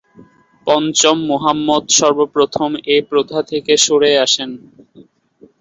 পঞ্চম মুহাম্মদ সর্বপ্রথম এই প্রথা থেকে সরে আসেন।